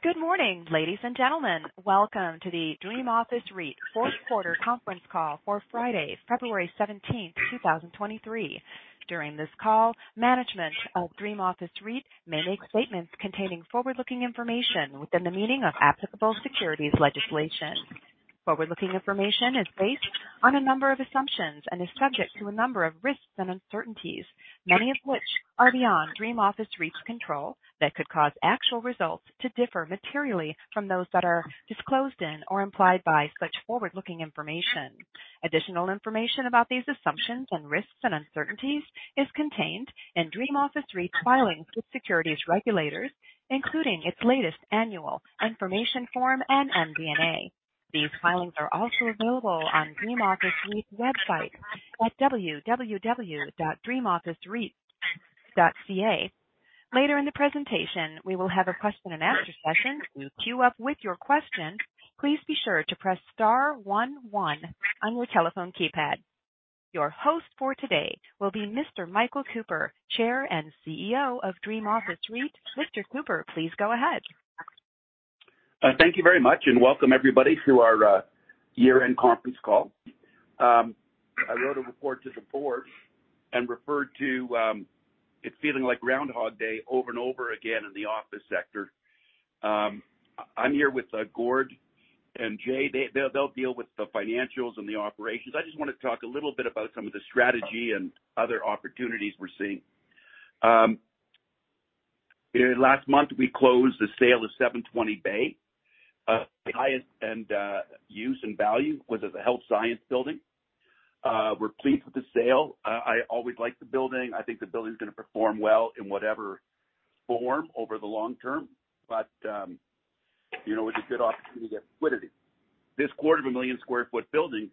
Good morning, ladies and gentlemen. Welcome to the Dream Office REIT fourth quarter conference call for Friday, February 17th, 2023. During this call, management of Dream Office REIT may make statements containing forward-looking information within the meaning of applicable securities legislation. Forward-looking information is based on a number of assumptions and is subject to a number of risks and uncertainties, many of which are beyond Dream Office REIT's control that could cause actual results to differ materially from those that are disclosed in or implied by such forward-looking information. Additional information about these assumptions and risks and uncertainties is contained in Dream Office REIT's filings with securities regulators, including its latest annual information form and MD&A. These filings are also available on Dream Office REIT's website at www.dreamofficereit.ca. Later in the presentation, we will have a question and answer session. To queue up with your question, please be sure to press star one one on your telephone keypad. Your host for today will be Mr. Michael Cooper, Chair and CEO of Dream Office REIT. Mr. Cooper, please go ahead. Thank you very much, and welcome everybody to our year-end conference call. I wrote a report to the board and referred to it feeling like Groundhog Day over and over again in the office sector. I'm here with Gord and Jay. They'll deal with the financials and the operations. I just wanna talk a little bit about some of the strategy and other opportunities we're seeing. Last month, we closed the sale of Seven Twenty Bay. The highest and use and value was as a health science building. We're pleased with the sale. I always liked the building. I think the building's gonna perform well in whatever form over the long term, but, you know, it was a good opportunity to get liquidity. This quarter of a million square foot building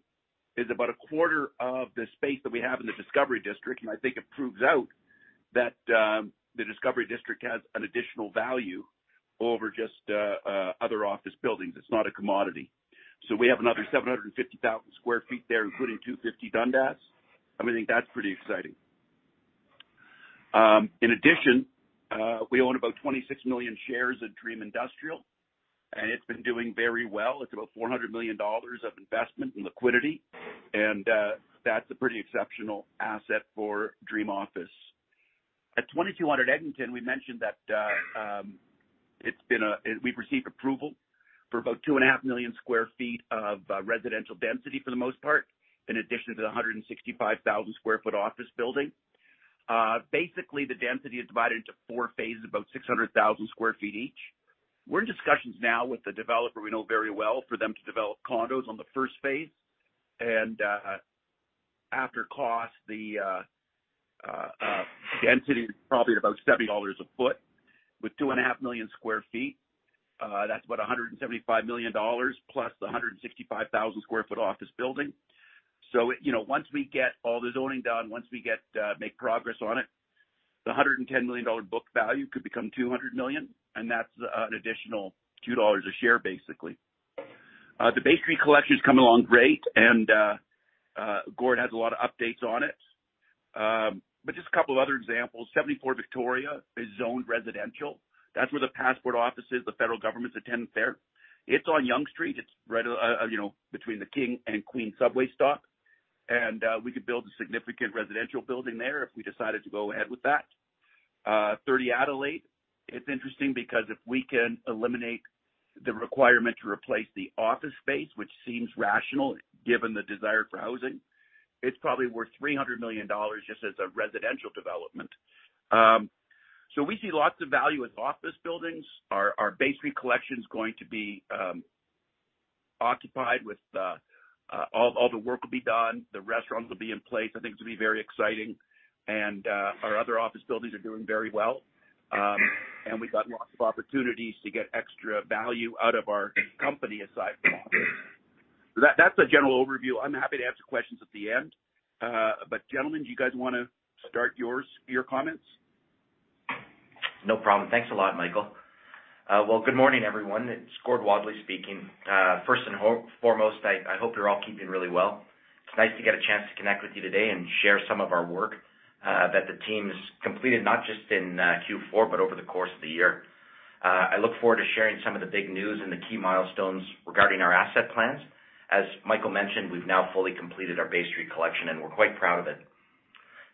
is about a quarter of the space that we have in the Discovery District, and I think it proves out that the Discovery District has an additional value over just other office buildings. It's not a commodity. We have another 750,000 sq ft there, including Two Fifty Dundas, and we think that's pretty exciting. In addition, we own about 26 million shares of Dream Industrial, and it's been doing very well. It's about 400 million dollars of investment and liquidity, and that's a pretty exceptional asset for Dream Office. At 2200 Eglinton, we mentioned that we've received approval for about 2.5 million sq ft of residential density for the most part, in addition to the 165,000 sq ft office building. Basically, the density is divided into four phases, about 600,000 sq ft each. We're in discussions now with the developer we know very well for them to develop condos on the first phase. After cost, the density is probably about $70 a foot. With 2.5 million sq ft, that's about $175 million plus the 165,000 sq ft office building. You know, once we get all the zoning done, once we get make progress on it, the 110 million dollar book value could become 200 million, and that's an additional 2 dollars a share, basically. The Bay Street Collection is coming along great, and Gord has a lot of updates on it. Just a couple other examples. 74 Victoria is zoned residential. That's where the passport office is. The federal government's a tenant there. It's on Yonge Street. It's right, you know, between the King and Queen subway stops. We could build a significant residential building there if we decided to go ahead with that. 30 Adelaide, it's interesting because if we can eliminate the requirement to replace the office space, which seems rational given the desire for housing, it's probably worth $300 million just as a residential development. We see lots of value with office buildings. Our Bay Street Collection's going to be occupied with all the work will be done, the restaurants will be in place. I think it'll be very exciting. Our other office buildings are doing very well. We've got lots of opportunities to get extra value out of our company aside from office. That's a general overview. I'm happy to answer questions at the end. Gentlemen, do you guys wanna start your comments? No problem. Thanks a lot, Michael. Well, good morning everyone. It's Gordon Wadley speaking. First and foremost, I hope you're all keeping really well. It's nice to get a chance to connect with you today and share some of our work that the team's completed, not just in Q4, but over the course of the year. I look forward to sharing some of the big news and the key milestones regarding our asset plans. As Michael mentioned, we've now fully completed our Bay Street Collection, and we're quite proud of it.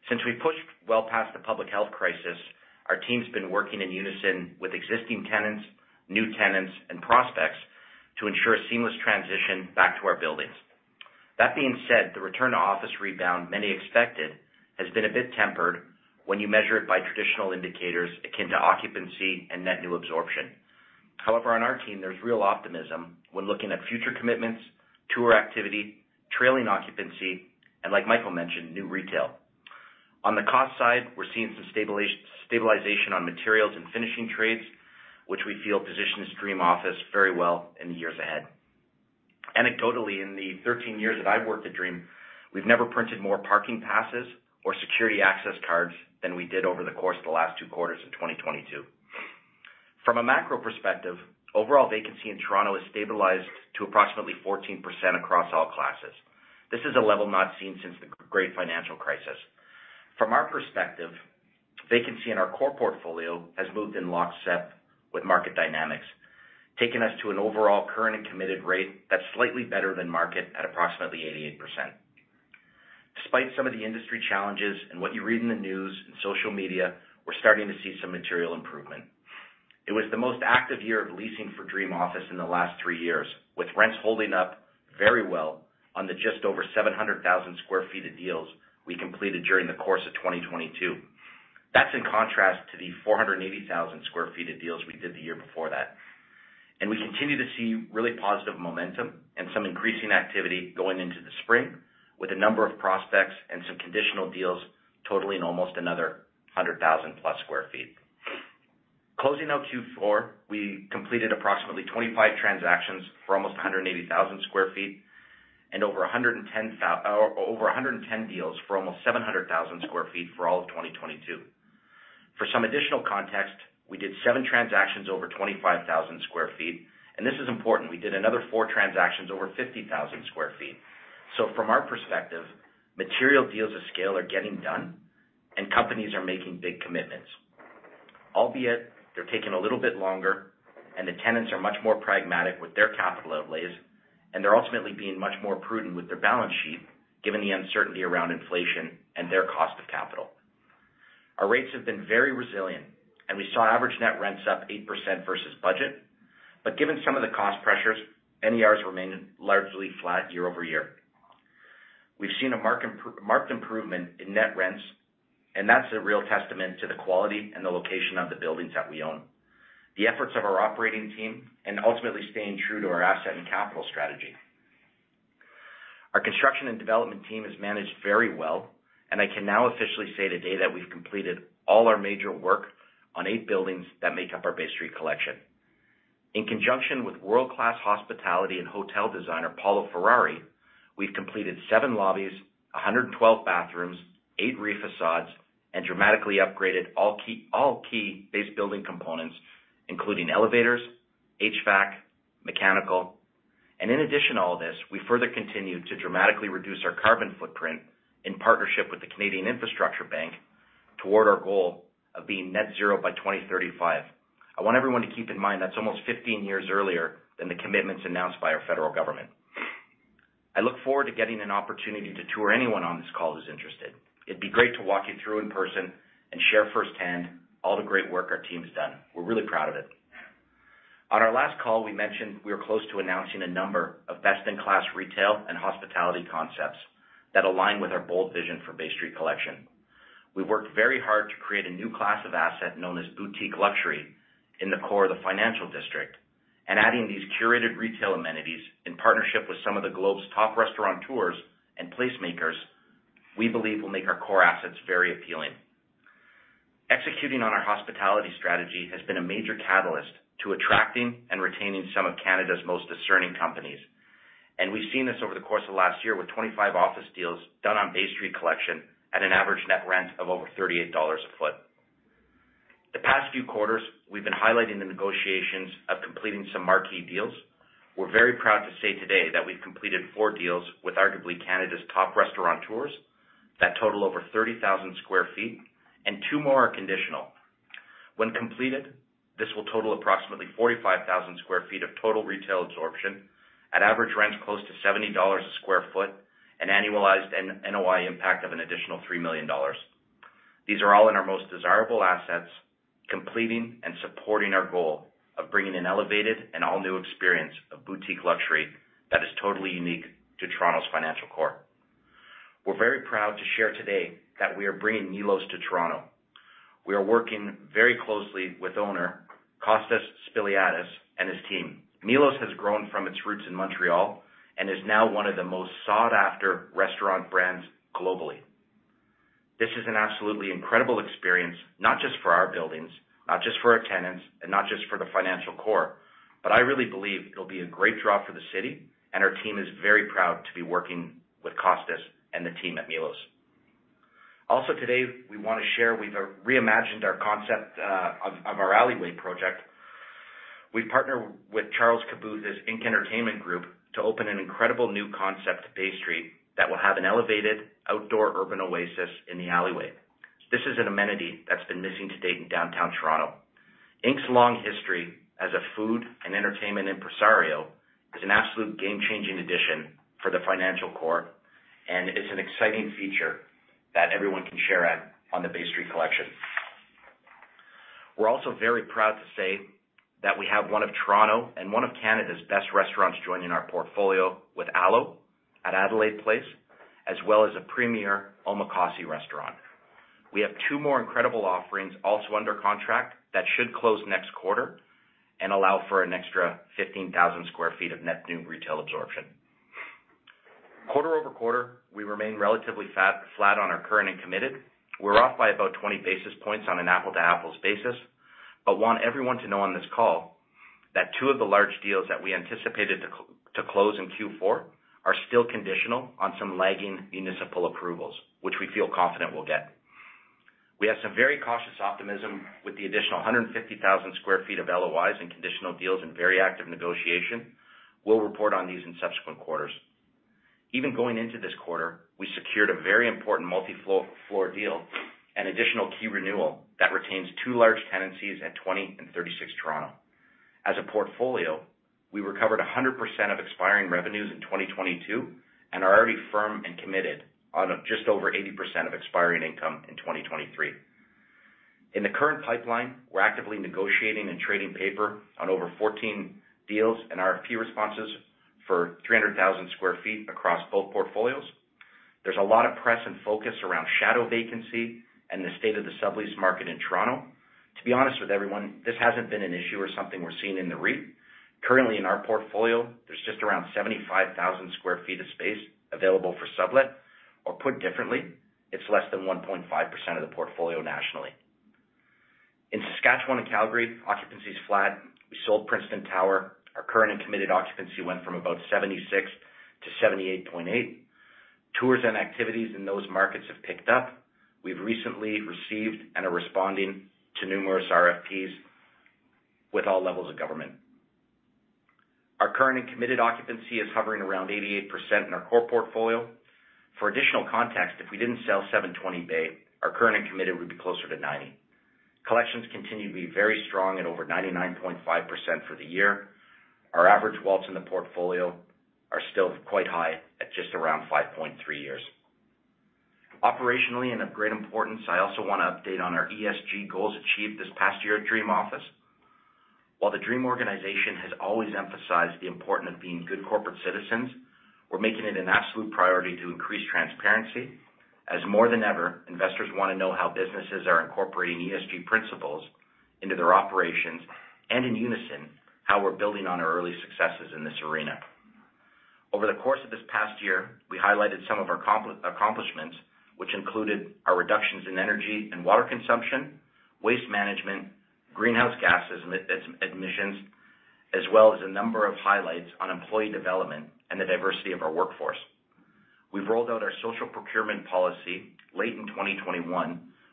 Since we pushed well past the public health crisis, our team's been working in unison with existing tenants, new tenants, and prospects to ensure a seamless transition back to our buildings. That being said, the return to office rebound many expected has been a bit tempered when you measure it by traditional indicators akin to occupancy and net new absorption. On our team, there's real optimism when looking at future commitments, tour activity, trailing occupancy, and like Michael mentioned, new retail. On the cost side, we're seeing some stabilization on materials and finishing trades, which we feel positions Dream Office very well in the years ahead. Anecdotally, in the 13 years that I've worked at Dream, we've never printed more parking passes or security access cards than we did over the course of the last 2 quarters in 2022. From a macro perspective, overall vacancy in Toronto has stabilized to approximately 14% across all classes. This is a level not seen since the great financial crisis. From our perspective, vacancy in our core portfolio has moved in lockstep with market dynamics, taking us to an overall current and committed rate that's slightly better than market at approximately 88%. Despite some of the industry challenges and what you read in the news and social media, we're starting to see some material improvement. It was the most active year of leasing for Dream Office in the last three years, with rents holding up very well on the just over 700,000 sq ft of deals we completed during the course of 2022. That's in contrast to the 480,000 sq ft of deals we did the year before that. We continue to see really positive momentum and some increasing activity going into the spring with a number of prospects and some conditional deals totaling almost another 100,000+ sq ft. Closing out Q4, we completed approximately 25 transactions for almost 180,000 sq ft and over 110 deals for almost 700,000 sq ft for all of 2022. For some additional context, we did 7 transactions over 25,000 sq ft, and this is important. We did another 4 transactions over 50,000 sq ft. From our perspective, material deals of scale are getting done and companies are making big commitments, albeit they're taking a little bit longer and the tenants are much more pragmatic with their capital outlays, and they're ultimately being much more prudent with their balance sheet, given the uncertainty around inflation and their cost of capital. Our rates have been very resilient, and we saw average net rents up 8% versus budget. Given some of the cost pressures, NERs remain largely flat year-over-year. We've seen a marked improvement in net rents. That's a real testament to the quality and the location of the buildings that we own. The efforts of our operating team and ultimately staying true to our asset and capital strategy. Our construction and development team has managed very well. I can now officially say today that we've completed all our major work on 8 buildings that make up our Bay Street Collection. In conjunction with world-class hospitality and hotel designer, Paolo Ferrari, we've completed 7 lobbies, 112 bathrooms, 8 re-facades, and dramatically upgraded all key base building components, including elevators, HVAC, mechanical. In addition to all of this, we further continued to dramatically reduce our carbon footprint in partnership with the Canada Infrastructure Bank toward our goal of being net zero by 2035. I want everyone to keep in mind that's almost 15 years earlier than the commitments announced by our federal government. I look forward to getting an opportunity to tour anyone on this call who's interested. It'd be great to walk you through in person and share firsthand all the great work our team has done. We're really proud of it. On our last call, we mentioned we are close to announcing a number of best-in-class retail and hospitality concepts that align with our bold vision for Bay Street Collection. We've worked very hard to create a new class of asset known as boutique luxury in the core of the financial district, and adding these curated retail amenities in partnership with some of the globe's top restaurateurs and placemakers, we believe will make our core assets very appealing. Executing on our hospitality strategy has been a major catalyst to attracting and retaining some of Canada's most discerning companies. We've seen this over the course of last year with 25 office deals done on Bay Street Collection at an average net rent of over $38 a foot. The past few quarters, we've been highlighting the negotiations of completing some marquee deals. We're very proud to say today that we've completed four deals with arguably Canada's top restaurateurs that total over 30,000 sq ft, and two more are conditional. When completed, this will total approximately 45,000 sq ft of total retail absorption at average rents close to $70 a sq ft, an annualized N-NOI impact of an additional $3 million. These are all in our most desirable assets, completing and supporting our goal of bringing an elevated and all-new experience of boutique luxury that is totally unique to Toronto's financial core. We're very proud to share today that we are bringing Milos to Toronto. We are working very closely with owner, Costas Spiliadis, and his team. Milos has grown from its roots in Montreal and is now one of the most sought-after restaurant brands globally. This is an absolutely incredible experience, not just for our buildings, not just for our tenants, not just for the financial core, but I really believe it'll be a great draw for the city. Our team is very proud to be working with Costas and the team at Milos. Today, we wanna share, we've re-imagined our concept of our alleyway project. We partner with Charles Khabouth's INK Entertainment Group to open an incredible new concept Bay Street that will have an elevated outdoor urban oasis in the alleyway. This is an amenity that's been missing to date in downtown Toronto. INK's long history as a food and entertainment impresario is an absolute game-changing addition for the financial core. It's an exciting feature that everyone can share at on the Bay Street Collection. We're also very proud to say that we have one of Toronto and one of Canada's best restaurants joining our portfolio with Alo at Adelaide Place, as well as a premier omakase restaurant. We have two more incredible offerings also under contract that should close next quarter and allow for an extra 15,000 sq ft of net new retail absorption. Quarter-over-quarter, we remain relatively flat on our current and committed. We're off by about 20 basis points on an apple-to-apples basis, but want everyone to know on this call that two of the large deals that we anticipated to close in Q4 are still conditional on some lagging municipal approvals, which we feel confident we'll get. We have some very cautious optimism with the additional 150,000 sq ft of LOIs and conditional deals in very active negotiation. We'll report on these in subsequent quarters. Even going into this quarter, we secured a very important multi-floor deal and additional key renewal that retains two large tenancies at 20 and 36 Toronto. As a portfolio, we recovered 100% of expiring revenues in 2022 and are already firm and committed on just over 80% of expiring income in 2023. In the current pipeline, we're actively negotiating and trading paper on over 14 deals and RFP responses for 300,000 sq ft across both portfolios. There's a lot of press and focus around shadow vacancy and the state of the sublease market in Toronto. To be honest with everyone, this hasn't been an issue or something we're seeing in the REIT. Currently, in our portfolio, there's just around 75,000 sq ft of space available for sublet, or put differently, it's less than 1.5% of the portfolio nationally. In Saskatchewan and Calgary, occupancy is flat. We sold Princeton Tower. Our current and committed occupancy went from about 76 to 78.8. Tours and activities in those markets have picked up. We've recently received and are responding to numerous RFPs with all levels of government. Our current and committed occupancy is hovering around 88% in our core portfolio. For additional context, if we didn't sell 720 Bay, our current and committed would be closer to 90. Collections continue to be very strong at over 99.5 for the year. Our average WALT in the portfolio are still quite high at just around 5.3 years. Operationally and of great importance, I also want to update on our ESG goals achieved this past year at Dream Office. While the Dream organization has always emphasized the important of being good corporate citizens, we're making it an absolute priority to increase transparency, as more than ever, investors want to know how businesses are incorporating ESG principles into their operations, and in unison, how we're building on our early successes in this arena. Over the course of this past year, we highlighted some of our accomplishments, which included our reductions in energy and water consumption, waste management, greenhouse gas emissions, as well as a number of highlights on employee development and the diversity of our workforce. We've rolled out our social procurement policy late in 2021,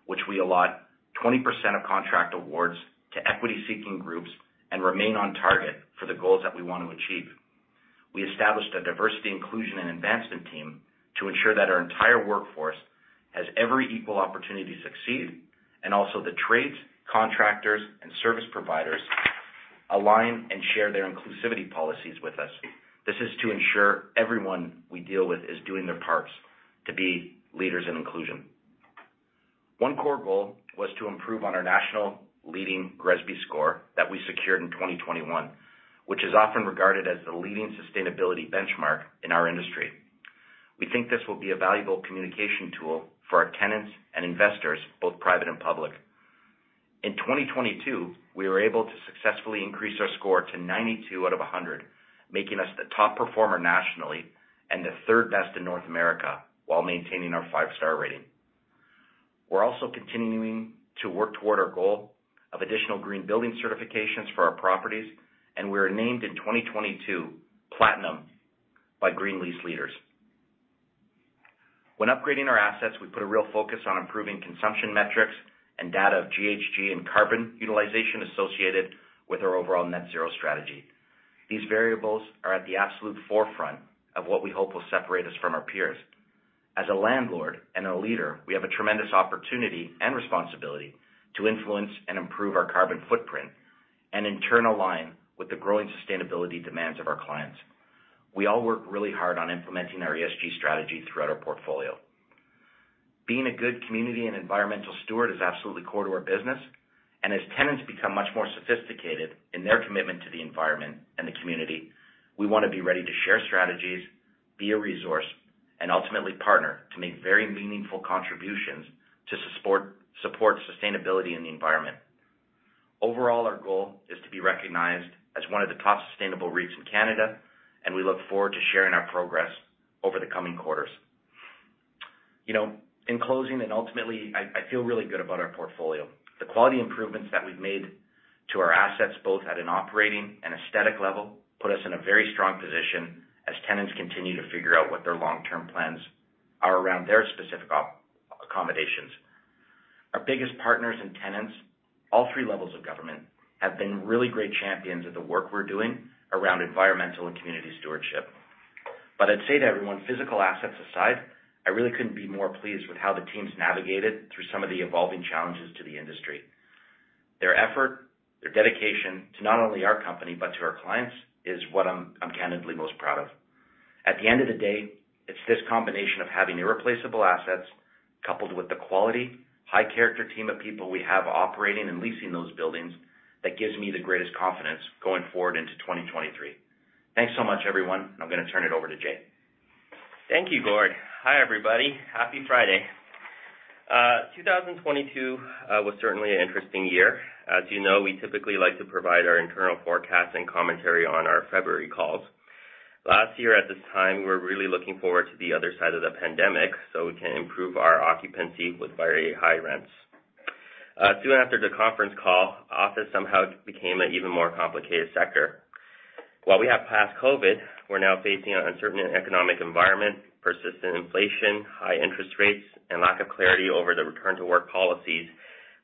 which we allot 20% of contract awards to equity-seeking groups and remain on target for the goals that we want to achieve. We established a diversity, inclusion, and advancement team to ensure that our entire workforce has every equal opportunity to succeed, and also the trades, contractors, and service providers align and share their inclusivity policies with us. This is to ensure everyone we deal with is doing their parts to be leaders in inclusion. One core goal was to improve on our national leading GRESB score that we secured in 2021, which is often regarded as the leading sustainability benchmark in our industry. We think this will be a valuable communication tool for our tenants and investors, both private and public. In 2022, we were able to successfully increase our score to 92 out of 100, making us the top performer nationally and the third-best in North America while maintaining our five-star rating. We're also continuing to work toward our goal of additional green building certifications for our properties. We are named in 2022 Platinum by Green Lease Leaders. When upgrading our assets, we put a real focus on improving consumption metrics and data of GHG and carbon utilization associated with our overall net zero strategy. These variables are at the absolute forefront of what we hope will separate us from our peers. As a landlord and a leader, we have a tremendous opportunity and responsibility to influence and improve our carbon footprint and in turn align with the growing sustainability demands of our clients. We all work really hard on implementing our ESG strategy throughout our portfolio. Being a good community and environmental steward is absolutely core to our business. As tenants become much more sophisticated in their commitment to the environment and the community, we want to be ready to share strategies, be a resource, and ultimately partner to make very meaningful contributions to support sustainability in the environment. Overall, our goal is to be recognized as one of the top sustainable REITs in Canada. We look forward to sharing our progress over the coming quarters. You know, in closing and ultimately, I feel really good about our portfolio. The quality improvements that we've made to our assets, both at an operating and aesthetic level, put us in a very strong position as tenants continue to figure out what their long-term plans are around their specific accommodations. Our biggest partners and tenants, all three levels of government, have been really great champions of the work we're doing around environmental and community stewardship. I'd say to everyone, physical assets aside, I really couldn't be more pleased with how the team's navigated through some of the evolving challenges to the industry. Their effort, their dedication to not only our company but to our clients is what I'm candidly most proud of. At the end of the day, it's this combination of having irreplaceable assets coupled with the quality, high character team of people we have operating and leasing those buildings that gives me the greatest confidence going forward into 2023. Thanks so much, everyone. I'm going to turn it over to Jay. Thank you, Gord. Hi, everybody. Happy Friday. 2022 was certainly an interesting year. As you know, we typically like to provide our internal forecast and commentary on our February calls. Last year at this time, we were really looking forward to the other side of the pandemic, so we can improve our occupancy with very high rents. Soon after the conference call, office somehow became an even more complicated sector. While we have passed COVID, we're now facing an uncertain economic environment, persistent inflation, high interest rates, and lack of clarity over the return to work policies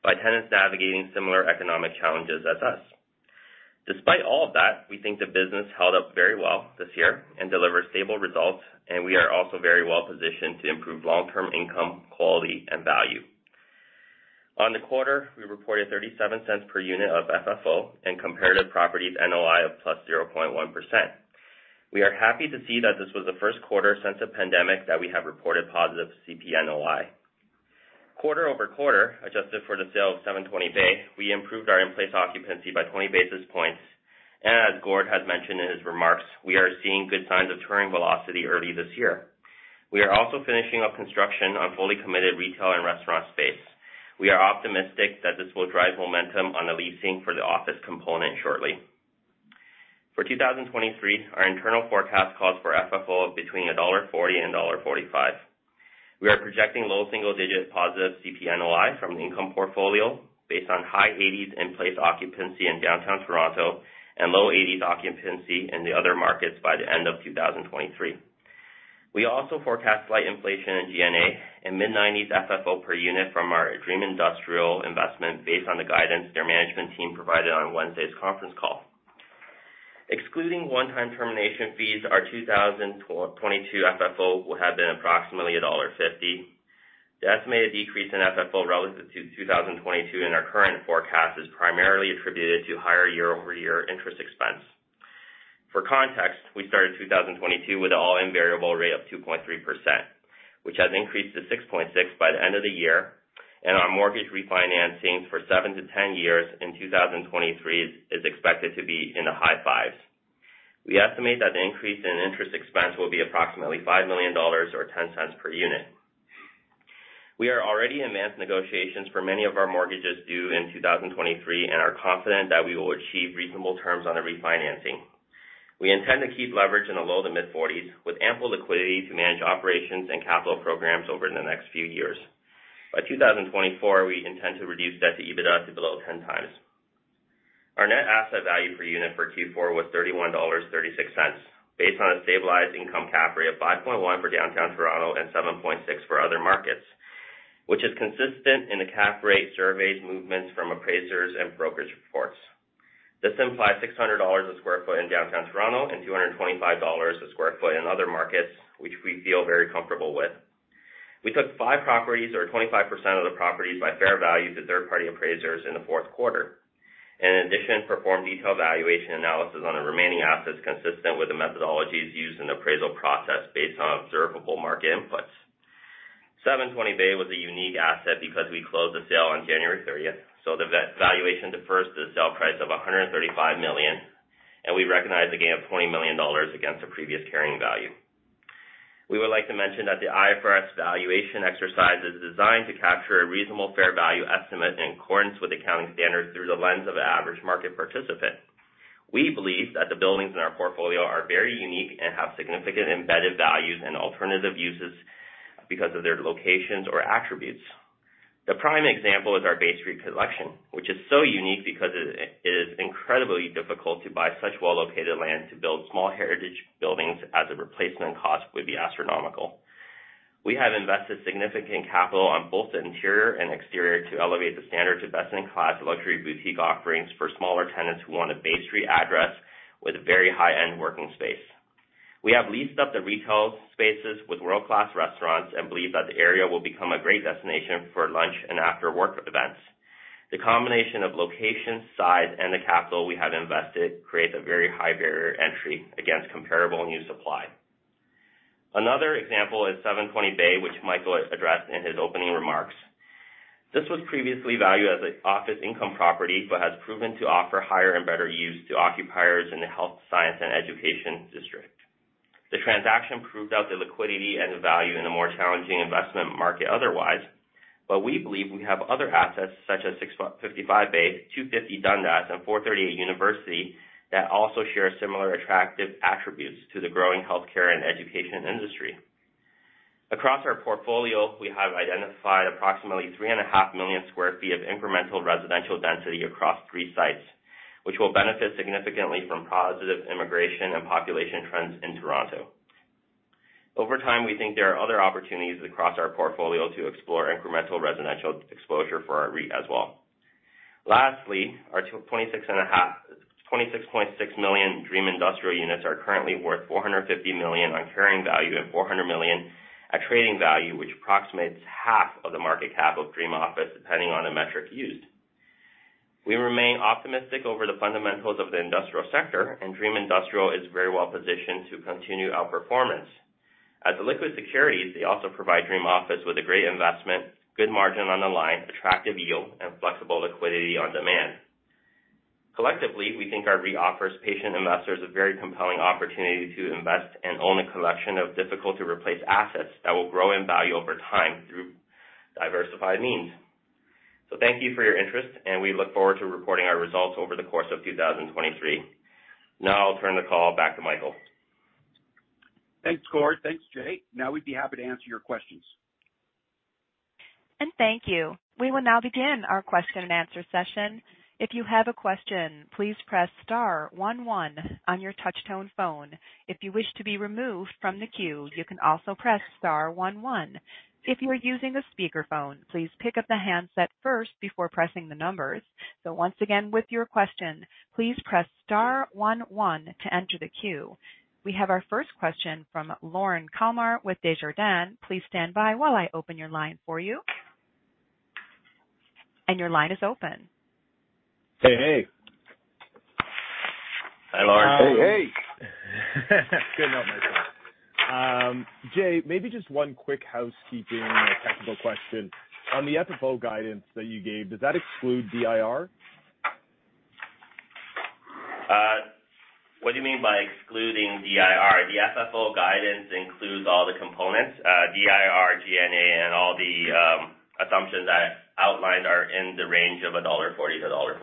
by tenants navigating similar economic challenges as us. Despite all of that, we think the business held up very well this year and delivered stable results, and we are also very well-positioned to improve long-term income, quality, and value. On the quarter, we reported 0.37 per unit of FFO and comparative properties NOI of +0.1%. We are happy to see that this was the first quarter since the pandemic that we have reported positive CPNOI. Quarter-over-quarter, adjusted for the sale of 720 Bay, we improved our in-place occupancy by 20 basis points. As Gord has mentioned in his remarks, we are seeing good signs of touring velocity early this year. We are also finishing up construction on fully committed retail and restaurant space. We are optimistic that this will drive momentum on the leasing for the office component shortly. For 2023, our internal forecast calls for FFO of between $1.40 and $1.45. We are projecting low single-digit positive CPNOI from the income portfolio based on high 80s in-place occupancy in downtown Toronto and low 80s occupancy in the other markets by the end of 2023. We also forecast slight inflation in G&A and mid-90s FFO per unit from our Dream Industrial investment based on the guidance their management team provided on Wednesday's conference call. Excluding one-time termination fees, our 2022 FFO will have been approximately dollar 1.50. The estimated decrease in FFO relative to 2022 in our current forecast is primarily attributed to higher year-over-year interest expense. For context, we started 2022 with an all-in variable rate of 2.3%, which has increased to 6.6% by the end of the year, and our mortgage refinancing for 7-10 years in 2023 is expected to be in the high 5s. We estimate that the increase in interest expense will be approximately 5 million dollars or 0.10 per unit. We are already in advanced negotiations for many of our mortgages due in 2023 and are confident that we will achieve reasonable terms on the refinancing. We intend to keep leverage in the low to mid-40s, with ample liquidity to manage operations and capital programs over the next few years. By 2024, we intend to reduce debt to EBITDA to below 10 times. Our net asset value per unit for Q4 was 31.36 dollars, based on a stabilized income cap rate of 5.1% for Downtown Toronto and 7.6% for other markets, which is consistent in the cap rate surveys movements from appraisers and brokerage reports. This implies 600 dollars a sq ft in Downtown Toronto and 225 dollars a sq ft in other markets, which we feel very comfortable with. We took five properties or 25% of the properties by fair value to third-party appraisers in the fourth quarter. In addition, performed detailed valuation analysis on the remaining assets consistent with the methodologies used in the appraisal process based on observable market inputs. Seven Twenty Bay was a unique asset because we closed the sale on January 30th. The valuation defers to the sale price of 135 million, and we recognize a gain of 20 million dollars against the previous carrying value. We would like to mention that the IFRS valuation exercise is designed to capture a reasonable fair value estimate in accordance with accounting standards through the lens of an average market participant. We believe that the buildings in our portfolio are very unique and have significant embedded values and alternative uses because of their locations or attributes. The prime example is our Bay Street Collection, which is so unique because it is incredibly difficult to buy such well-located land to build small heritage buildings, as the replacement cost would be astronomical. We have invested significant capital on both the interior and exterior to elevate the standard to best-in-class luxury boutique offerings for smaller tenants who want a Bay Street address with a very high-end working space. We have leased up the retail spaces with world-class restaurants and believe that the area will become a great destination for lunch and after-work events. The combination of location, size, and the capital we have invested creates a very high barrier entry against comparable new supply. Another example is Seven Twenty Bay, which Michael addressed in his opening remarks. This was previously valued as an office income property but has proven to offer higher and better use to occupiers in the health, science, and education district. The transaction proved out the liquidity and the value in a more challenging investment market otherwise. We believe we have other assets such as Fifty-Five Bay, 250 Dundas, and 438 University that also share similar attractive attributes to the growing healthcare and education industry. Across our portfolio, we have identified approximately 3 and a half million sq ft of incremental residential density across 3 sites, which will benefit significantly from positive immigration and population trends in Toronto. Over time, we think there are other opportunities across our portfolio to explore incremental residential exposure for our REIT as well. Lastly, our 26.6 million Dream Industrial units are currently worth 450 million on carrying value and 400 million at trading value, which approximates half of the market cap of Dream Office, depending on the metric used. We remain optimistic over the fundamentals of the industrial sector, and Dream Industrial is very well positioned to continue outperformance. As a liquid security, they also provide Dream Office with a great investment, good margin on the line, attractive yield, and flexible liquidity on demand. Collectively, we think our REIT offers patient investors a very compelling opportunity to invest and own a collection of difficult-to-replace assets that will grow in value over time through diversified means. Thank you for your interest, and we look forward to reporting our results over the course of 2023. I'll turn the call back to Michael. Thanks, Gord. Thanks, Jay. We'd be happy to answer your questions. Thank you. We will now begin our question-and-answer session. If you have a question, please press star one one on your touch-tone phone. If you wish to be removed from the queue, you can also press star one one. If you are using a speakerphone, please pick up the handset first before pressing the numbers. Once again, with your question, please press star one one to enter the queue. We have our first question from Lorne Kalmar with Desjardins. Please stand by while I open your line for you. Your line is open. Say hey. Hi, Lauren. Hey, hey. Good night, myself. Jay, maybe just one quick housekeeping technical question. On the FFO guidance that you gave, does that exclude DIR? What do you mean by excluding DIR? The FFO guidance includes all the components. DIR, G&A, and all the assumptions I outlined are in the range of 1.40-1.45 dollar.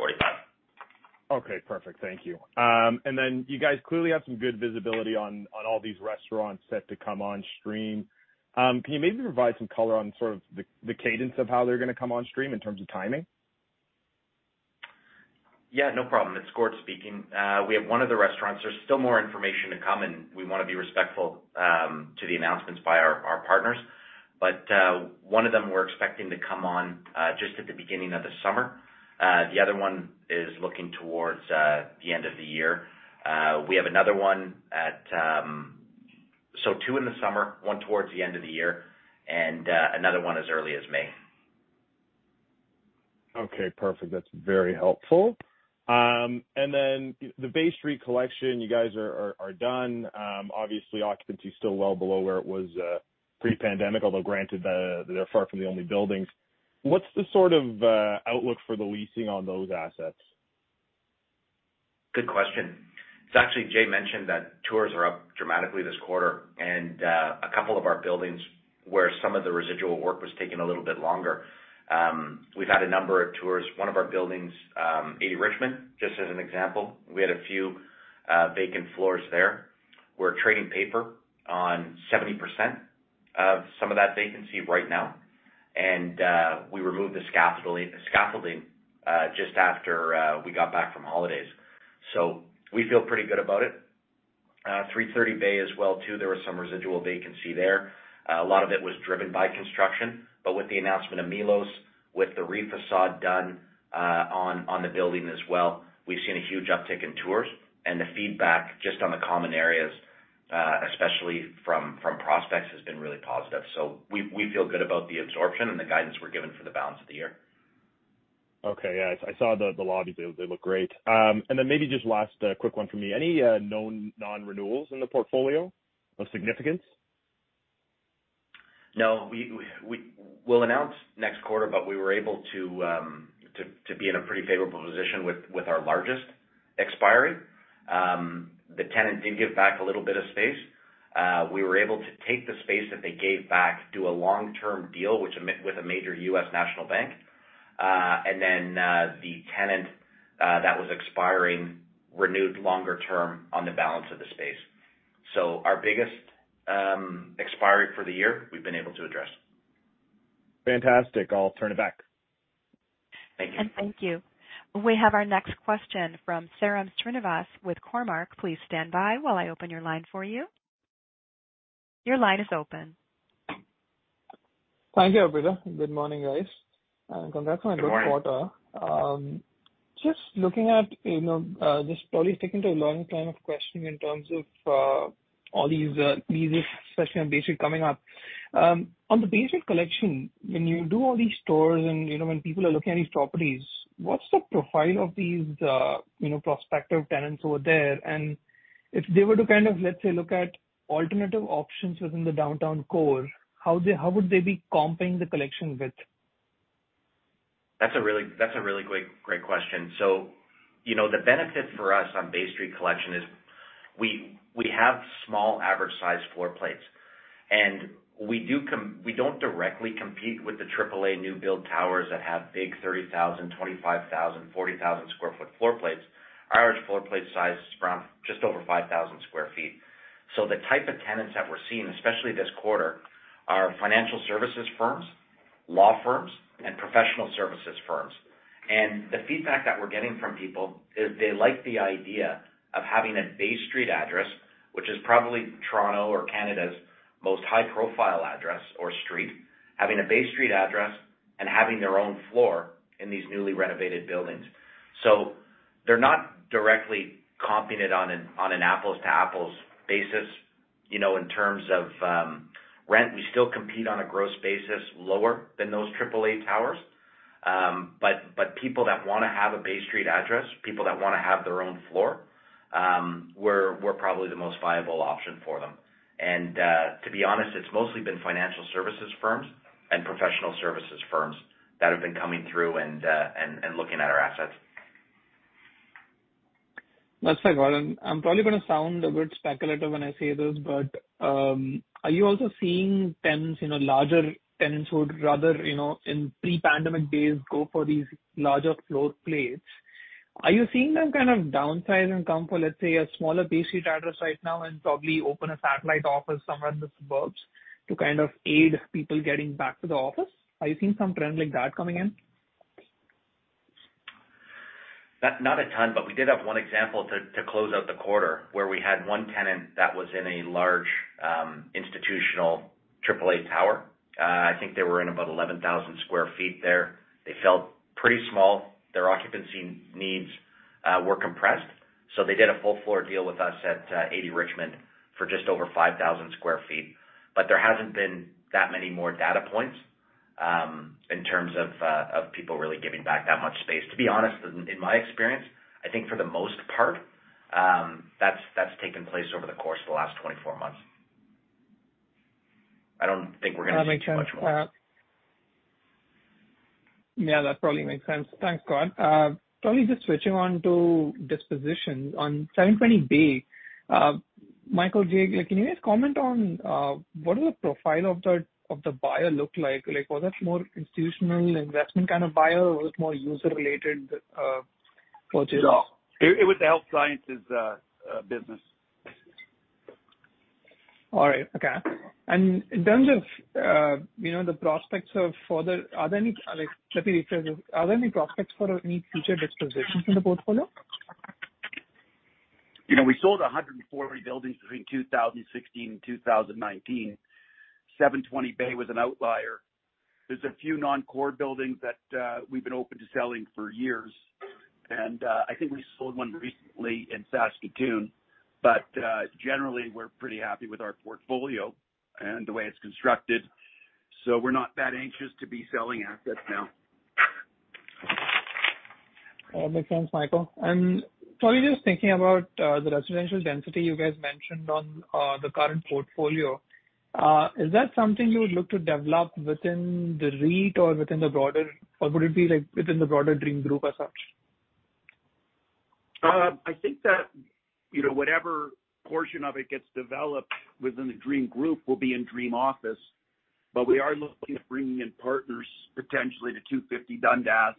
Okay, perfect. Thank you. You guys clearly have some good visibility on all these restaurants set to come on stream. Can you maybe provide some color on sort of the cadence of how they're gonna come on stream in terms of timing? Yeah, no problem. It's Gord speaking. We have one of the restaurants. There's still more information to come, and we wanna be respectful to the announcements by our partners. One of them we're expecting to come on just at the beginning of the summer. The other one is looking towards the end of the year. We have another one at... Two in the summer, one towards the end of the year, and another one as early as May. Okay, perfect. That's very helpful. The Bay Street Collection, you guys are done. Obviously occupancy is still well below where it was pre-pandemic, although granted, they're far from the only buildings. What's the sort of outlook for the leasing on those assets? Good question. Actually, Jay mentioned that tours are up dramatically this quarter. A couple of our buildings where some of the residual work was taking a little bit longer, we've had a number of tours. One of our buildings, 80 Richmond, just as an example, we had a few vacant floors there. We're trading paper on 70% of some of that vacancy right now. We removed the scaffolding just after we got back from holidays. We feel pretty good about it. 330 Bay as well too. There was some residual vacancy there. A lot of it was driven by construction. With the announcement of Milos, with the re-façade done on the building as well, we've seen a huge uptick in tours and the feedback just on the common areas, especially from prospects, has been really positive. We feel good about the absorption and the guidance we're given for the balance of the year. Okay. Yeah. I saw the lobbies. They look great. Maybe just last, quick one for me. Any known non-renewals in the portfolio of significance? No. We'll announce next quarter, we were able to be in a pretty favorable position with our largest expiry. The tenant did give back a little bit of space. We were able to take the space that they gave back, do a long-term deal, with a major U.S. national bank, then the tenant that was expiring renewed longer term on the balance of the space. Our biggest expiry for the year, we've been able to address. Fantastic. I'll turn it back. Thank you. Thank you. We have our next question from Sairam Srinivas with Cormark. Please stand by while I open your line for you. Your line is open. Thank you, operator. Good morning, guys, and congrats on the good quarter. Good morning. Just looking at, you know, this probably has taken to a long time of questioning in terms of all these leases, especially on Bay Street coming up. On the Bay Street Collection, when you do all these tours and, you know, when people are looking at these properties, what's the profile of these, you know, prospective tenants over there? If they were to kind of, let's say, look at alternative options within the downtown core, how would they be comping the collection with? That's a really great question. You know, the benefit for us on Bay Street Collection is we have small average size floor plates. We don't directly compete with the triple A new build towers that have big 30,000, 25,000, 40,000 sq ft floor plates. Our floor plate size is around just over 5,000 sq ft. The type of tenants that we're seeing, especially this quarter, are financial services firms, law firms, and professional services firms. The feedback that we're getting from people is they like the idea of having a Bay Street address, which is probably Toronto or Canada's most high-profile address or street, having a Bay Street address and having their own floor in these newly renovated buildings. They're not directly comping it on an apples to apples basis. You know, in terms of rent, we still compete on a gross basis lower than those triple A towers. But people that wanna have a Bay Street address, people that wanna have their own floor, we're probably the most viable option for them. To be honest, it's mostly been financial services firms and professional services firms that have been coming through and looking at our assets. That's so good. I'm probably gonna sound a bit speculative when I say this, but, are you also seeing tenants, you know, larger tenants who would rather, you know, in pre-pandemic days, go for these larger floor plates? Are you seeing them kind of downsize and come for, let's say, a smaller Bay Street address right now and probably open a satellite office somewhere in the suburbs to kind of aid people getting back to the office? Are you seeing some trend like that coming in? Not, not a ton. We did have one example to close out the quarter where we had one tenant that was in a large institutional triple A tower. I think they were in about 11,000 sq ft there. They felt pretty small. Their occupancy needs were compressed, so they did a full floor deal with us at 18 Richmond for just over 5,000 sq ft. There hasn't been that many more data points in terms of people really giving back that much space. To be honest, in my experience, I think for the most part, that's taken place over the course of the last 24 months. I don't think we're gonna see much more. That makes sense. Yeah, that probably makes sense. Thanks, Gord. Probably just switching on to dispositions. On 720 Bay, Michael J., can you guys comment on what does the profile of the buyer look like? Was that more institutional investment kind of buyer or was more user-related purchase? No. It was the health sciences business. All right. Okay. Let me rephrase this. Are there any prospects for any future dispositions in the portfolio? You know, we sold 143 buildings between 2016 and 2019. 720 Bay was an outlier. There's a few non-core buildings that we've been open to selling for years. I think we sold one recently in Saskatoon. Generally, we're pretty happy with our portfolio and the way it's constructed, so we're not that anxious to be selling assets now. All makes sense, Michael. Probably just thinking about the residential density you guys mentioned on the current portfolio, is that something you would look to develop within the REIT or would it be, like, within the broader Dream group as such? I think that, you know, whatever portion of it gets developed within the Dream group will be in Dream Office. We are looking at bringing in partners potentially to 250 Dundas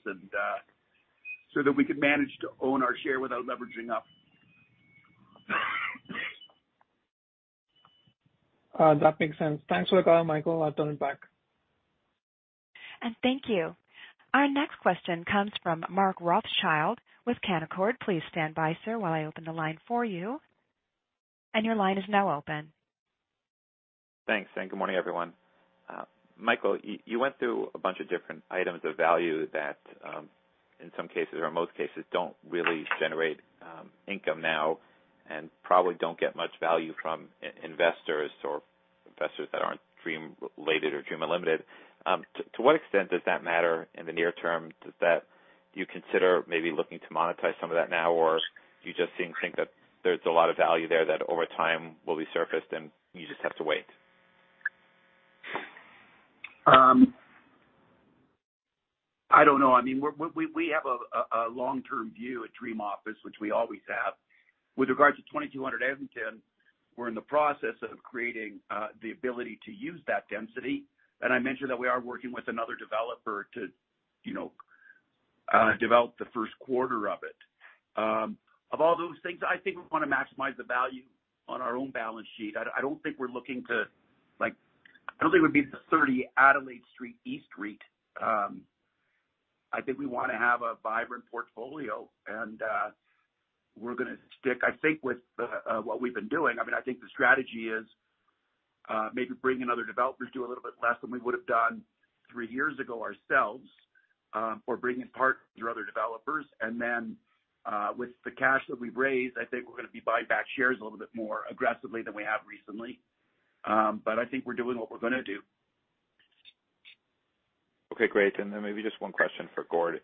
so that we can manage to own our share without leveraging up. That makes sense. Thanks for the call, Michael. I'll turn it back. Thank you. Our next question comes from Mark Rothschild with Canaccord. Please stand by, sir, while I open the line for you. Your line is now open. Thanks. Good morning, everyone. Michael, you went through a bunch of different items of value that, in some cases or in most cases don't really generate income now and probably don't get much value from investors or investors that aren't Dream related or Dream Unlimited. To what extent does that matter in the near term? Do you consider maybe looking to monetize some of that now, or do you just think that there's a lot of value there that over time will be surfaced and you just have to wait? I don't know. We have a long-term view at Dream Office, which we always have. With regards to 2200 Eglinton, we're in the process of creating the ability to use that density. I mentioned that we are working with another developer to, you know, develop the 1st quarter of it. Of all those things, I think we wanna maximize the value on our own balance sheet. I don't think we'd be the 30 Adelaide Street East REIT. I think we wanna have a vibrant portfolio. We're gonna stick, I think, with what we've been doing. I mean, I think the strategy is, maybe bring in other developers, do a little bit less than we would have done three years ago ourselves, or bring in partners or other developers. With the cash that we've raised, I think we're gonna be buying back shares a little bit more aggressively than we have recently. I think we're doing what we're gonna do. Okay, great. Maybe just one question for Gord.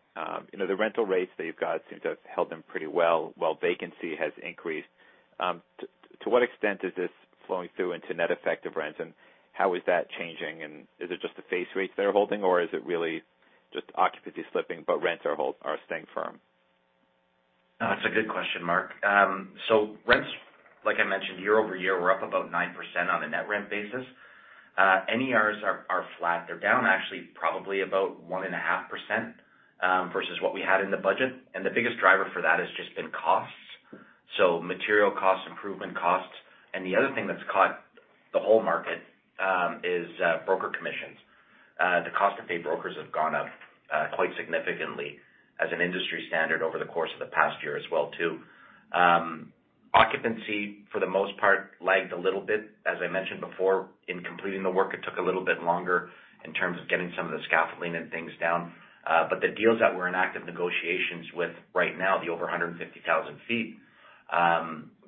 You know, the rental rates that you've got seem to have held in pretty well while vacancy has increased. To what extent is this flowing through into net effective rents, and how is that changing? Is it just the face rates that are holding, or is it really just occupancy slipping, but rents are staying firm? No, that's a good question, Mark. Rents, like I mentioned, year-over-year were up about 9% on a net rent basis. NER are flat. They're down actually probably about 1.5% versus what we had in the budget, the biggest driver for that has just been costs. Material costs, improvement costs. The other thing that's caught the whole market is broker commissions. Cost to pay brokers have gone up quite significantly as an industry standard over the course of the past year as well too. Occupancy for the most part lagged a little bit. As I mentioned before, in completing the work, it took a little bit longer in terms of getting some of the scaffolding and things down. The deals that we're in active negotiations with right now, the over 150,000 feet,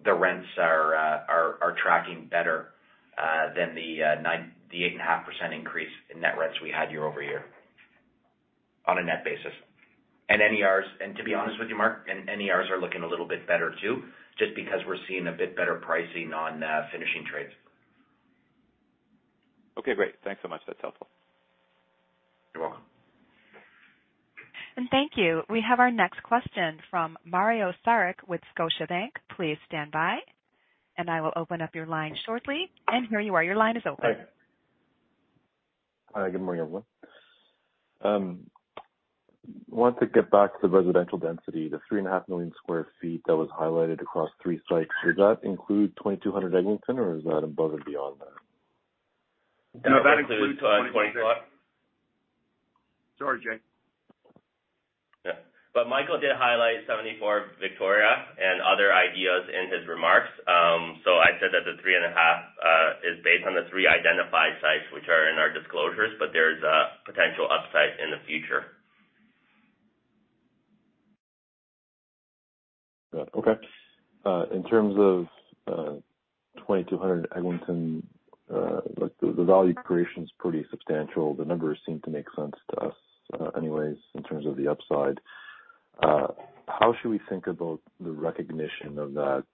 the rents are tracking better than the 8.5% increase in net rents we had year-over-year on a net basis. To be honest with you, Mark Rothschild, NER are looking a little bit better too, just because we're seeing a bit better pricing on finishing trades. Okay, great. Thanks so much. That's helpful. You're welcome. Thank you. We have our next question from Mario Saric with Scotiabank. Please stand by and I will open up your line shortly. Here you are. Your line is open. Hi, good morning, everyone. Want to get back to the residential density, the 3.5 million sq ft that was highlighted across 3 sites. Does that include 2200 Eglinton or is that above and beyond that? No, that includes Sorry, Jay. Yeah. Michael did highlight 74 Victoria and other ideas in his remarks. I said that the 3.5 is based on the 3 identified sites which are in our disclosures, but there's a potential upside in the future. Yeah. Okay. In terms of 2200 Eglinton, like, the value creation is pretty substantial. The numbers seem to make sense to us, anyways, in terms of the upside. How should we think about the recognition of that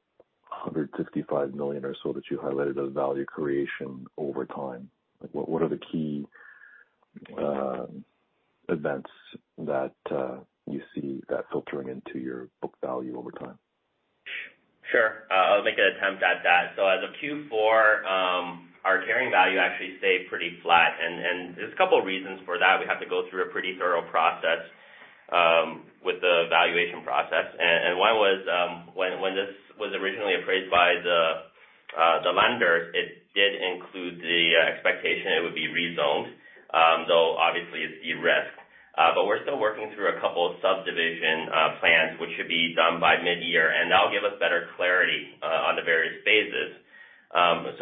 155 million or so that you highlighted as value creation over time? Like, what are the key events that you see that filtering into your book value over time? Sure. I'll make an attempt at that. As of Q4, our carrying value actually stayed pretty flat. There's a couple of reasons for that. We have to go through a pretty thorough process with the valuation process. One was, when this was originally appraised by the lender, it did include the expectation it would be rezoned, though obviously it's de-risked. We're still working through a couple of subdivision plans, which should be done by mid-year, and that'll give us better clarity on the various phases.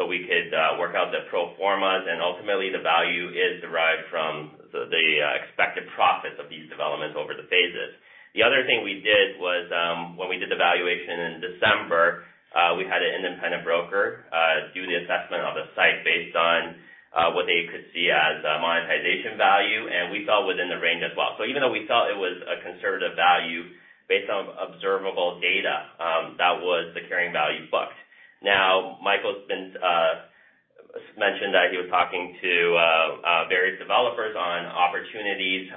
We could work out the pro formas, and ultimately the value is derived from the expected profits of these developments over the phases. The other thing we did was, when we did the valuation in December, we had an independent broker do the assessment of the site based on what they could see as a monetization value, and we fell within the range as well. Even though we thought it was a conservative value based on observable data, that was the carrying value booked. Now, Michael's been mentioned that he was talking to various developers on opportunities.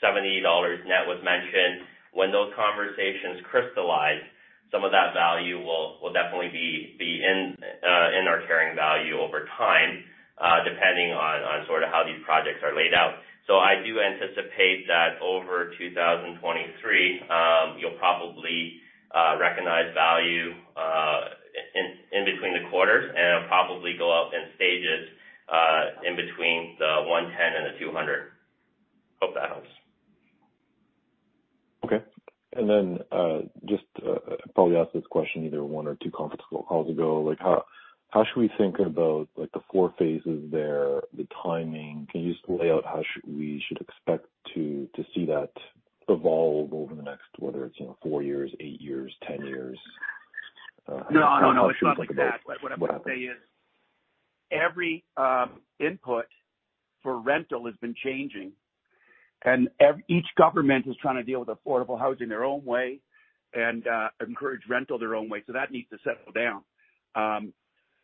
78 dollars net was mentioned. When those conversations crystallize, some of that value will definitely be in our carrying value over time, depending on sort of how these projects are laid out. I do anticipate that over 2023, you'll probably recognize value in between the quarters and probably go up in stages in between 110 and 200. Hope that helps. Okay. Just, I probably asked this question either 1 or 2 conf-calls ago. Like, how should we think about, like, the 4 phases there, the timing? Can you just lay out how we should expect to see that evolve over the next, whether it's, you know, 4 years, 8 years, 10 years? No, no, it's not like that. What I would say is every input for rental has been changing, and each government is trying to deal with affordable housing their own way and encourage rental their own way, so that needs to settle down.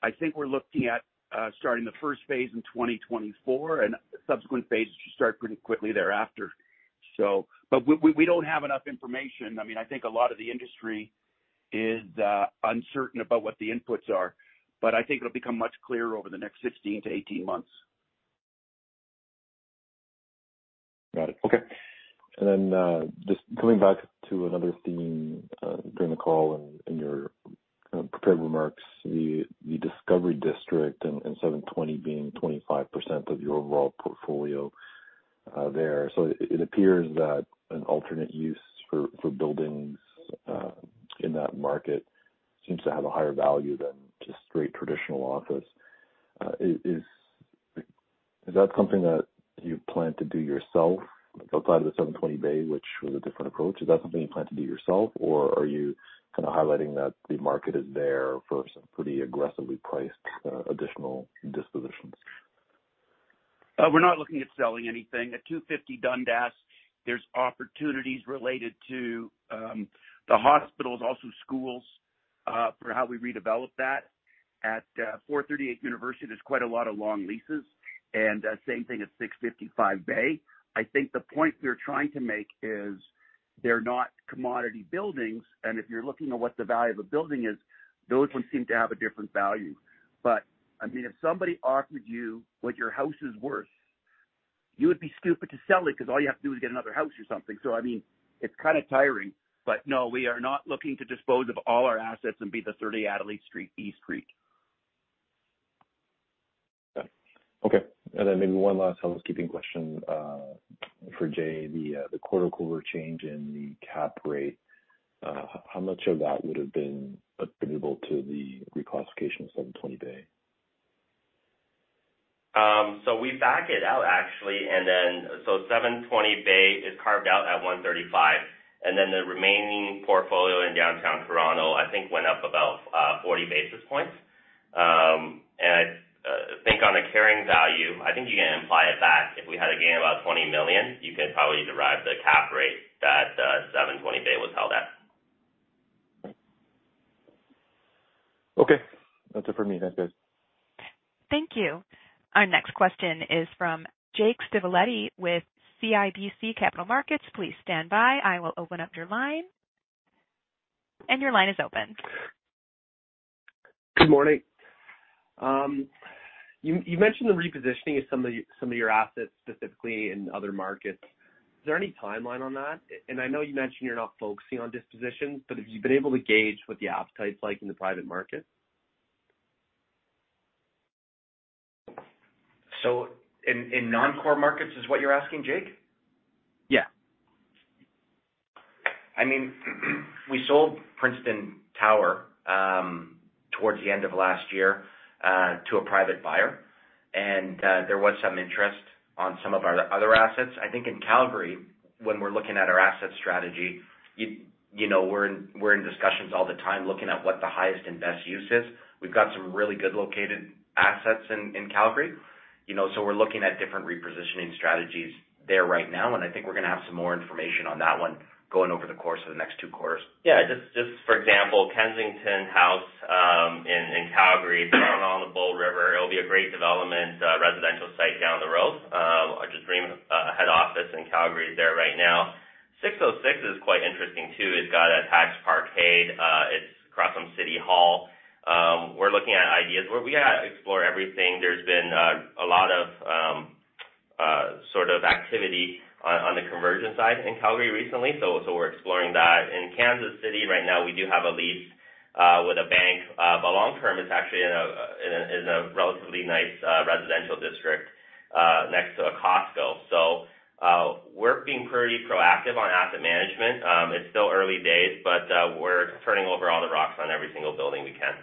I think we're looking at starting the first phase in 2024, and subsequent phases should start pretty quickly thereafter. But we don't have enough information. I mean, I think a lot of the industry is uncertain about what the inputs are. I think it'll become much clearer over the next 16 to 18 months. Got it. Okay. Just going back to another theme, during the call in your prepared remarks, the Discovery District and 720 being 25% of your overall portfolio there. It appears that an alternate use for buildings in that market seems to have a higher value than just straight traditional office. Is that something that you plan to do yourself outside of the 720 Bay, which was a different approach? Is that something you plan to do yourself, or are you kind of highlighting that the market is there for some pretty aggressively priced additional dispositions? We're not looking at selling anything. At 250 Dundas, there's opportunities related to the hospitals, also schools, for how we redevelop that. At 438 University, there's quite a lot of long leases, same thing at 655 Bay. I think the point we're trying to make is they're not commodity buildings, if you're looking at what the value of a building is, those ones seem to have a different value. I mean, if somebody offered you what your house is worth, you would be stupid to sell it because all you have to do is get another house or something. I mean, it's kind of tiring. No, we are not looking to dispose of all our assets and be the 30 Adelaide Street East REIT. Okay. Then maybe one last housekeeping question for Jay. The quarter over change in the cap rate, how much of that would have been attributable to the reclassification of 720 Bay? We back it out actually. 720 Bay is carved out at 135, and then the remaining portfolio in downtown Toronto, I think, went up about 40 basis points. I think on a carrying value, I think you can imply it back. If we had a gain of about 20 million, you could probably derive the cap rate that 720 Bay was held at. Okay. That's it for me. That's it. Thank you. Our next question is from Dean Wilkinson with CIBC Capital Markets. Please stand by. I will open up your line. Your line is open. Good morning. you mentioned the repositioning of some of your assets, specifically in other markets. Is there any timeline on that? I know you mentioned you're not focusing on dispositions, but have you been able to gauge what the appetite's like in the private market? In non-core markets is what you're asking, Dean? Yeah. I mean, we sold Princeton Tower towards the end of last year to a private buyer. There was some interest on some of our other assets. I think in Calgary, when we're looking at our asset strategy, you know, we're in discussions all the time looking at what the highest and best use is. We've got some really good located assets in Calgary, you know, so we're looking at different repositioning strategies there right now, and I think we're gonna have some more information on that one going over the course of the next two quarters. Just for example, Kensington House, in Calgary down on the Bow River, it'll be a great development, residential site down the road. Dream head office in Calgary is there right now. 606 is quite interesting too. It's got attached parkade. It's across from City Hall. We're looking at ideas. We gotta explore everything. There's been a lot of sort of activity on the conversion side in Calgary recently, so we're exploring that. In Kansas City right now, we do have a lease with a bank. Long term, it's actually in a relatively nice residential district next to a Costco. We're being pretty proactive on asset management. It's still early days, we're turning over all the rocks on every single building we can.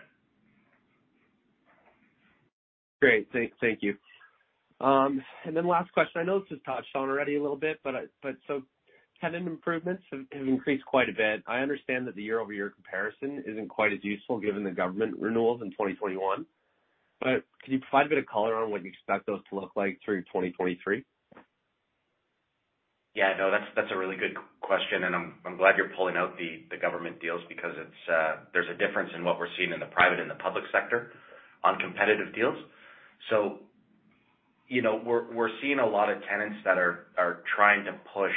Great. Thank you. Last question. I know this was touched on already a little bit, tenant improvements have increased quite a bit. I understand that the year-over-year comparison isn't quite as useful given the government renewals in 2021. Can you provide a bit of color on what you expect those to look like through 2023? No, that's a really good question, and I'm glad you're pulling out the government deals because it's. There's a difference in what we're seeing in the private and the public sector on competitive deals. You know, we're seeing a lot of tenants that are trying to push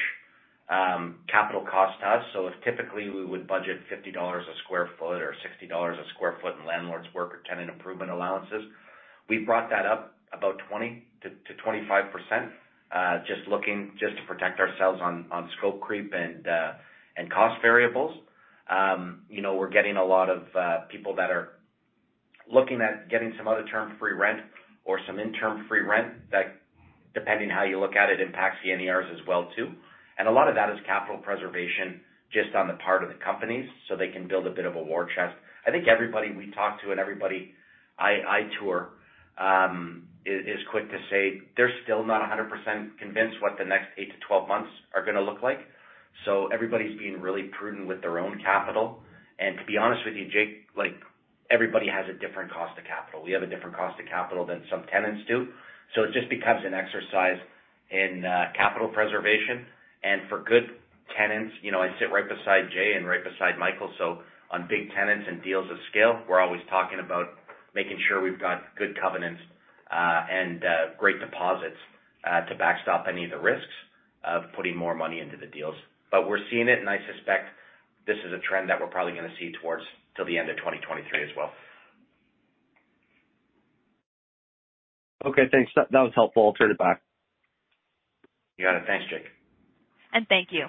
capital costs to us. If typically we would budget 50 dollars a square foot or 60 dollars a square foot in landlord's work or tenant improvement allowances, we've brought that up about 20%-25%, just looking just to protect ourselves on scope creep and cost variables. You know, we're getting a lot of people that are looking at getting some out of term free rent or some interim free rent that, depending how you look at it, impacts the NER as well too. A lot of that is capital preservation just on the part of the companies, so they can build a bit of a war chest. I think everybody we talk to and everybody I tour is quick to say they're still not 100% convinced what the next 8-12 months are gonna look like. Everybody's being really prudent with their own capital. To be honest with you, Jake, like, everybody has a different cost of capital. We have a different cost of capital than some tenants do. It just becomes an exercise in capital preservation. For good tenants, you know, I sit right beside Jay and right beside Michael, so on big tenants and deals of scale, we're always talking about making sure we've got good covenants, and great deposits to backstop any of the risks of putting more money into the deals. We're seeing it, and I suspect this is a trend that we're probably gonna see towards till the end of 2023 as well. Okay, thanks. That was helpful. I'll turn it back. You got it. Thanks, Dean. Thank you.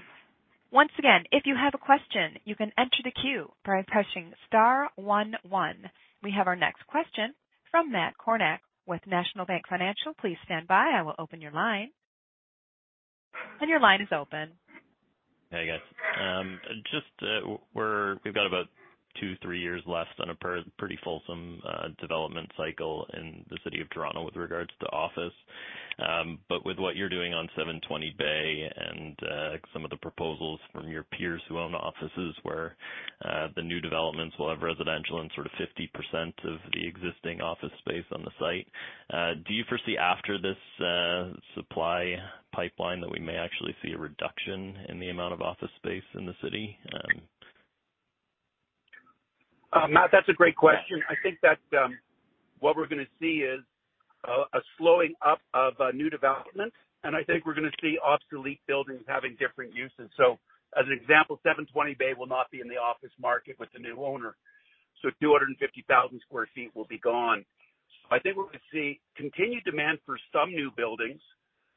Once again, if you have a question, you can enter the queue by pressing star one one. We have our next question from Matt Kornack with National Bank Financial. Please stand by. I will open your line. Your line is open. Hey, guys. We've got about two, three years left on a pretty fulsome development cycle in the city of Toronto with regards to office. With what you're doing on 720 Bay and some of the proposals from your peers who own offices where the new developments will have residential and sort of 50% of the existing office space on the site, do you foresee after this supply pipeline that we may actually see a reduction in the amount of office space in the city? Matt, that's a great question. I think that what we're gonna see is a slowing up of new development, and I think we're gonna see obsolete buildings having different uses. As an example, 720 Bay will not be in the office market with the new owner, so 250,000 sq ft will be gone. I think we're gonna see continued demand for some new buildings,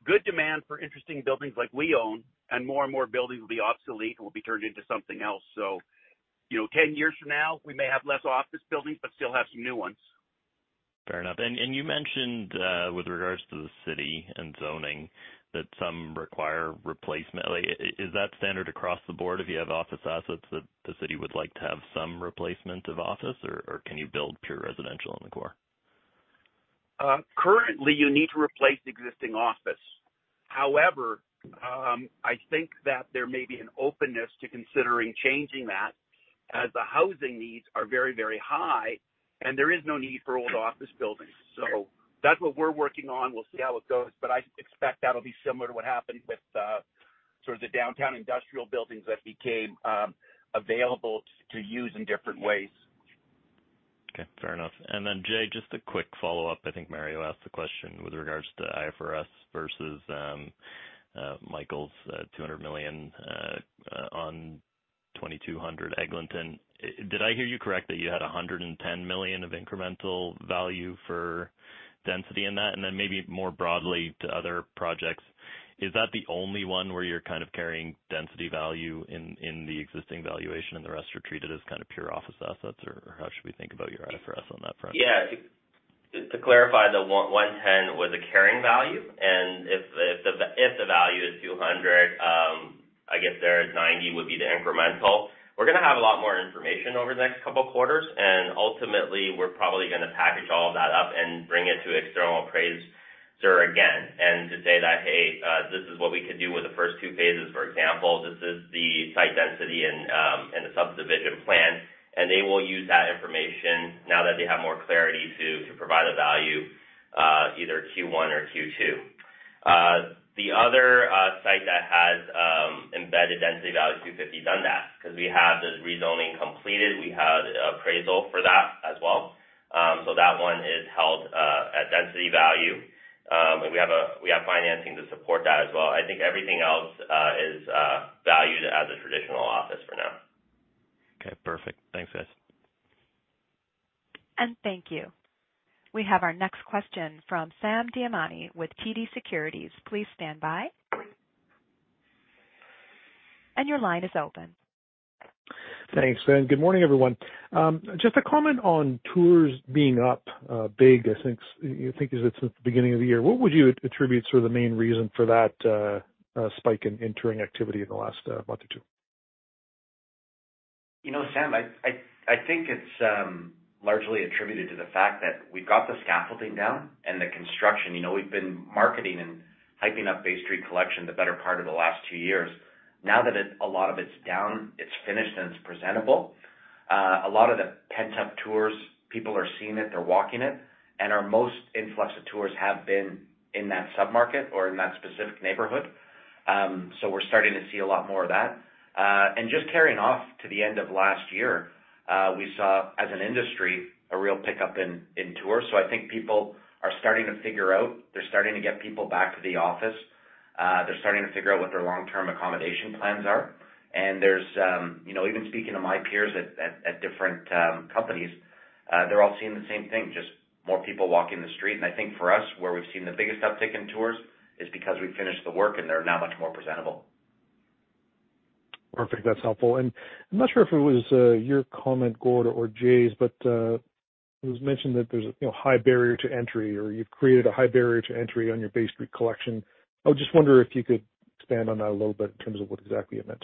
good demand for interesting buildings like we own, and more and more buildings will be obsolete and will be turned into something else. You know, 10 years from now, we may have less office buildings but still have some new ones. Fair enough. You mentioned, with regards to the city and zoning, that some require replacement. Is that standard across the board if you have office assets that the city would like to have some replacement of office, or can you build pure residential in the core? Currently, you need to replace existing office. I think that there may be an openness to considering changing that, as the housing needs are very, very high, and there is no need for old office buildings. That's what we're working on. We'll see how it goes, but I expect that'll be similar to what happened with sort of the downtown industrial buildings that became available to use in different ways. Okay, fair enough. Jay, just a quick follow-up. I think Mario asked the question with regards to IFRS versus. Michael's, 200 million, on 2200 Eglinton. Did I hear you correct that you had 110 million of incremental value for density in that? Then maybe more broadly to other projects, is that the only one where you're kind of carrying density value in the existing valuation, and the rest are treated as kind of pure office assets? How should we think about your IFRS on that front? Yeah. To clarify, the 110 was a carrying value, and if the value is 200, I guess there is 90 would be the incremental. We're gonna have a lot more information over the next couple of quarters, and ultimately, we're probably gonna package all of that up and bring it to external appraiser again. To say that, "Hey, this is what we could do with the first two phases, for example. This is the site density and the subdivision plan." They will use that information now that they have more clarity to provide a value, either Q1 or Q2. The other site that has embedded density value, 250 Dundas, 'cause we have the rezoning completed. We had appraisal for that as well. So that one is held at density value. We have financing to support that as well. I think everything else is valued as a traditional office for now. Okay, perfect. Thanks, guys. Thank you. We have our next question from Sam Damiani with TD Securities. Please stand by. Your line is open. Thanks, Sam. Good morning, everyone. Just a comment on tours being up big, I think it's at the beginning of the year. What would you attribute sort of the main reason for that spike in touring activity in the last month or two? You know, Sam, I think it's largely attributed to the fact that we got the scaffolding down and the construction. You know, we've been marketing and hyping up Bay Street Collection the better part of the last two years. Now that a lot of it's down, it's finished, and it's presentable, a lot of the pent-up tours, people are seeing it, they're walking it, and our most influx of tours have been in that sub-market or in that specific neighborhood. We're starting to see a lot more of that. Just carrying off to the end of last year, we saw, as an industry, a real pickup in tours. I think people are starting to figure out. They're starting to get people back to the office. They're starting to figure out what their long-term accommodation plans are. There's, you know, even speaking to my peers at different companies, they're all seeing the same thing, just more people walking the street. I think for us, where we've seen the biggest uptick in tours is because we finished the work, and they're now much more presentable. Perfect. That's helpful. I'm not sure if it was, your comment, Gord or Jay's, but, it was mentioned that there's, you know, high barrier to entry, or you've created a high barrier to entry on your Bay Street Collection. I was just wonder if you could expand on that a little bit in terms of what exactly you meant?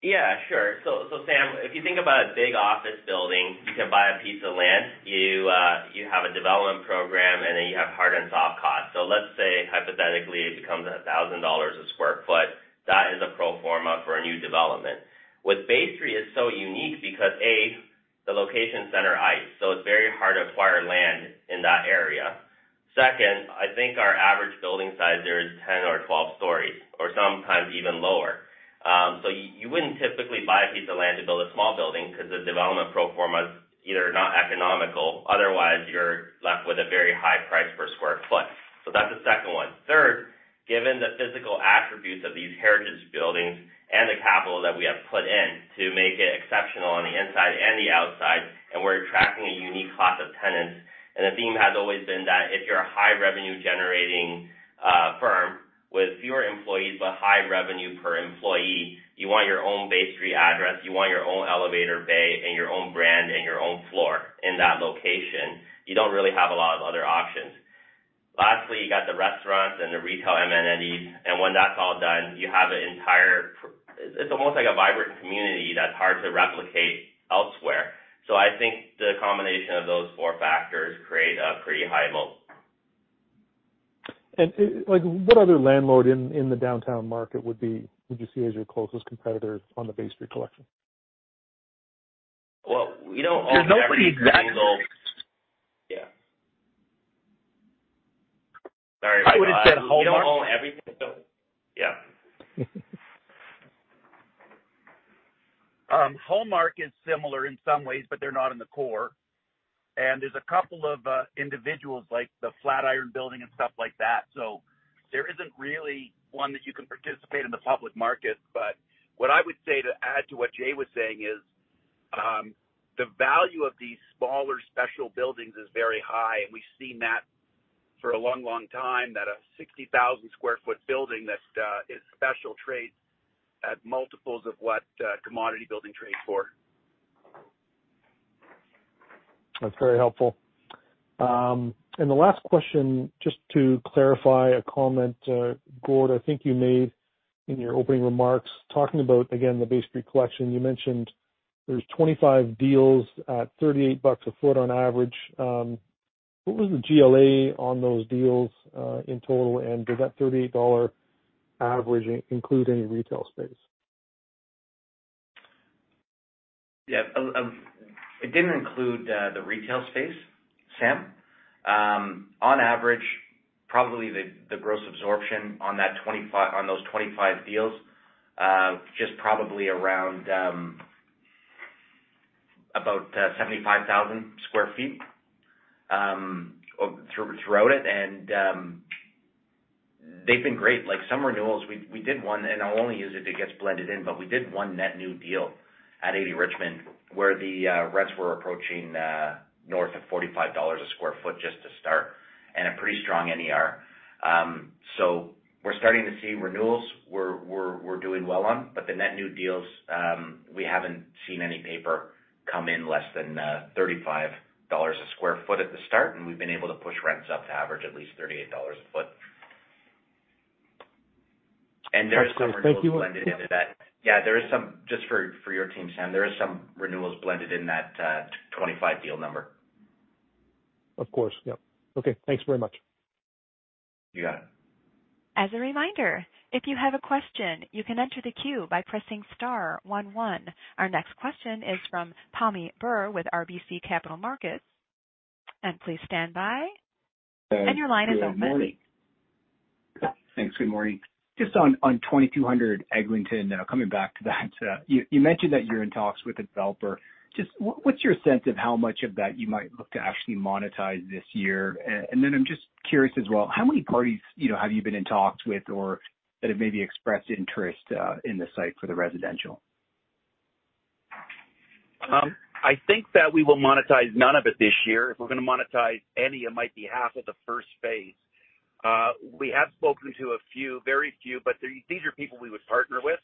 Yeah, sure. Sam, if you think about a big office building, you can buy a piece of land. You have a development program, and then you have hard and soft costs. Let's say, hypothetically, it becomes $1,000 a square foot. That is a pro forma for a new development. With Bay Street is so unique because, A, the location center ice, so it's very hard to acquire land in that area. Second, I think our average building size there is 10 or 12 stories or sometimes even lower. You wouldn't typically buy a piece of land to build a small building because the development pro forma is either not economical, otherwise you're left with a very high price per square foot. That's the second one. Third, given the physical attributes of these heritage buildings and the capital that we have put in to make it exceptional on the inside and the outside, and we're attracting a unique class of tenants. The theme has always been that if you're a high revenue-generating firm with fewer employees, but high revenue per employee, you want your own Bay Street address, you want your own elevator bay and your own brand and your own floor in that location. You don't really have a lot of other options. Lastly, you got the restaurants and the retail amenities, and when that's all done, you have an entire it's almost like a vibrant community that's hard to replicate elsewhere. I think the combination of those four factors create a pretty high moat. Like, what other landlord in the downtown market would you see as your closest competitor on the Bay Street Collection? Well, we don't own every single- There's nobody exactly- Yeah. Sorry. I would have said. We don't own everything. Yeah. Hallmark is similar in some ways, but they're not in the core. There's a couple of individuals like the Flatiron Building and stuff like that. There isn't really one that you can participate in the public market. What I would say to add to what Jay was saying is, the value of these smaller special buildings is very high, and we've seen that for a long, long time, that a 60,000 sq ft building that is special trades at multiples of what a commodity building trades for. That's very helpful. The last question, just to clarify a comment Gord, I think you made in your opening remarks talking about, again, the Bay Street Collection. You mentioned there's 25 deals at 38 bucks a foot on average. What was the GLA on those deals, in total, and does that 38 dollar average include any retail space? Yeah. It didn't include the retail space, Sam. On average, probably the gross absorption on those 25 deals just probably around About 75,000 sq ft throughout it. They've been great. Like, some renewals, we did one, and I'll only use it if it gets blended in, but we did one net new deal at 80 Richmond where the rents were approaching north of 45 dollars a sq ft just to start and a pretty strong NER. We're starting to see renewals we're doing well on, but the net new deals, we haven't seen any paper come in less than 35 dollars a sq ft at the start, and we've been able to push rents up to average at least 38 dollars a foot. That's clear. Thank you. There are some renewals blended into that. Yeah, just for your team, Sam, there is some renewals blended in that 25 deal number. Of course. Yep. Okay, thanks very much. You got it. As a reminder, if you have a question, you can enter the queue by pressing star one one. Our next question is from Tom Callaghan with RBC Capital Markets. Please stand by. Your line is open. Thanks. Good morning. Just on 2200 Eglinton, coming back to that. You mentioned that you're in talks with a developer. Just what's your sense of how much of that you might look to actually monetize this year? And then I'm just curious as well, how many parties, you know, have you been in talks with or that have maybe expressed interest in the site for the residential? I think that we will monetize none of it this year. If we're gonna monetize any, it might be half of the first phase. We have spoken to a few, very few, but these are people we would partner with.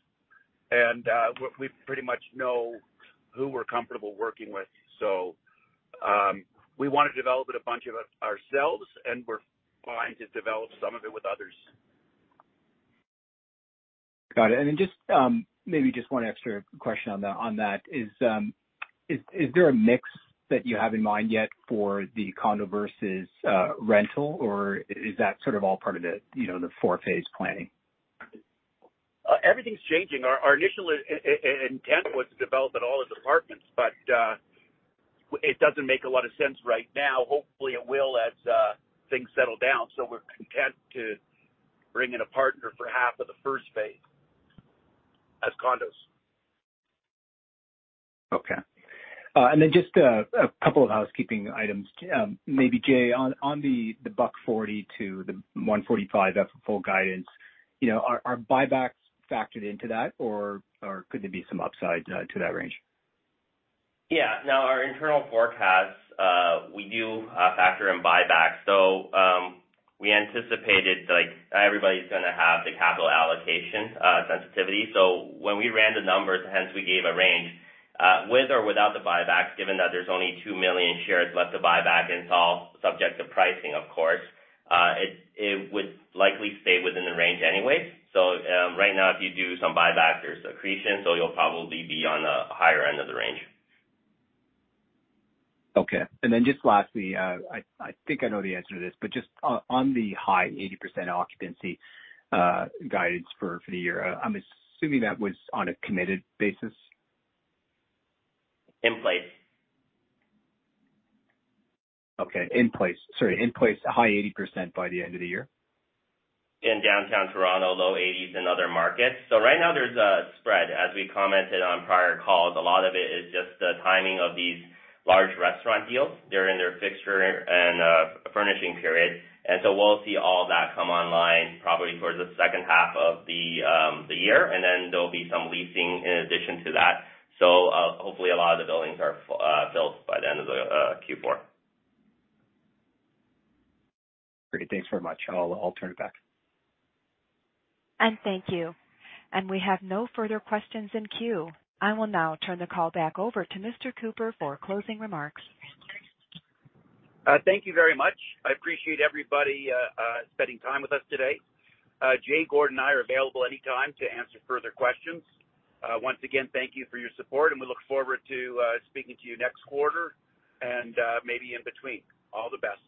We pretty much know who we're comfortable working with. We wanna develop it a bunch of it ourselves, and we're fine to develop some of it with others. Got it. Then just, maybe just one extra question on that. Is there a mix that you have in mind yet for the condo versus rental, or is that sort of all part of the, you know, the 4-phase planning? Everything's changing. Our initial intent was to develop it all as apartments, but it doesn't make a lot of sense right now. Hopefully, it will as things settle down. We're content to bring in a partner for half of the first phase as condos. Okay. Then just a couple of housekeeping items. Maybe Jay, on the $1.40-$1.45 FFO guidance, you know, are buybacks factored into that or could there be some upside to that range? Yeah. No, our internal forecasts, we do factor in buybacks. We anticipated like everybody's gonna have the capital allocation sensitivity. When we ran the numbers, hence we gave a range, with or without the buybacks, given that there's only 2 million shares left to buy back. It's all subject to pricing, of course. It would likely stay within the range anyway. Right now, if you do some buyback, there's accretion, so you'll probably be on a higher end of the range. Okay. Just lastly, I think I know the answer to this, but just on the high 80% occupancy, guidance for the year, I'm assuming that was on a committed basis. In place. Okay. In place. Sorry, in place, high 80% by the end of the year. In downtown Toronto, low 80s in other markets. Right now there's a spread, as we commented on prior calls. A lot of it is just the timing of these large restaurant deals. They're in their fixture and furnishing period. We'll see all that come online probably towards the second half of the year. There'll be some leasing in addition to that. Hopefully a lot of the buildings are built by the end of the Q4. Great. Thanks very much. I'll turn it back. Thank you. We have no further questions in queue. I will now turn the call back over to Mr. Cooper for closing remarks. Thank you very much. I appreciate everybody spending time with us today. Jay, Gordon and I are available anytime to answer further questions. Once again, thank you for your support, and we look forward to speaking to you next quarter and maybe in between. All the best.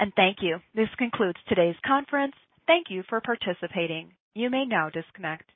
Bye-bye. Thank you. This concludes today's conference. Thank you for participating. You may now disconnect.